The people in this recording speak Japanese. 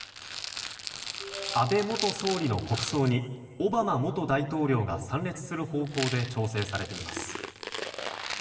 安倍元総理の国葬にオバマ元大統領が参列する方向で調整されています。